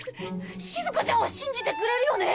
しずかちゃんは信じてくれるよね？